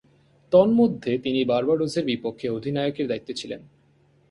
তন্মধ্যে, তিনি বার্বাডোসের বিপক্ষে অধিনায়কের দায়িত্বে ছিলেন।